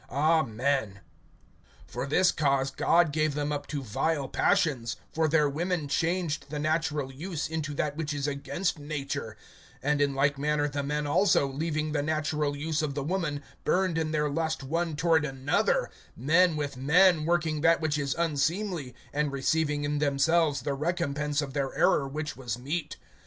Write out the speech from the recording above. Amen. (26)For this cause God gave them up to vile passions; for their women changed the natural use into that which is against nature; (27)and in like manner the men also, leaving the natural use of the woman, burned in their lust one toward another; men with men working that which is unseemly, and receiving in themselves the recompense of their error which was meet.